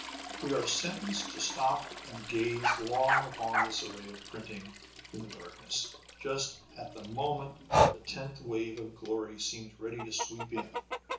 We are sentenced to stop and gaze long upon this array of printing in the darkness, just at the moment the tenth wave of glory seems ready to sweep in.